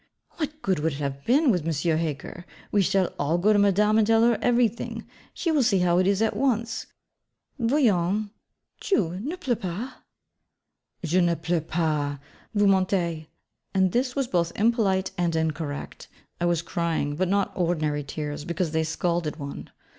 'What good would it have been, with M. Heger? We shall all go to Madame and tell her everything. She will see how it is at once. Voyons, Chou: ne pleures pas.' 'Je ne pleure pas; vous mentez:' and this was both impolite and incorrect: I was crying, but not ordinary tears, because they scalded one.